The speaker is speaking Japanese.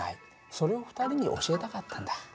それを２人に教えたかったんだ。